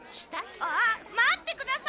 あっ待ってください！